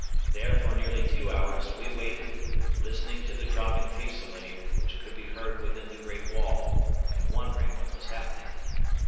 There for nearly two hours we waited, listening to the dropping fusillade which could be heard within the great wall and wondering what was happening.